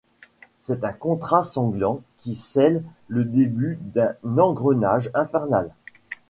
C'est un contrat sanglant qui scelle le début d'un engrenage infernal.